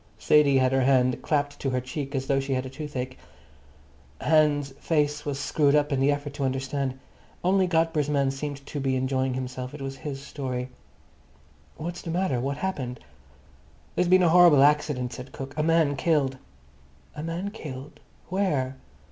Sadie had her hand clapped to her cheek as though she had toothache. Hans's face was screwed up in the effort to understand. Only Godber's man seemed to be enjoying himself; it was his story. "What's the matter? What's happened?" "There's been a horrible accident," said Cook. "A man killed." "A man killed! Where?